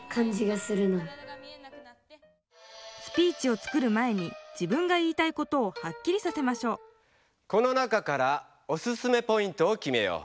スピーチを作る前に自分が言いたいことをはっきりさせましょうこの中からオススメポイントをきめよう。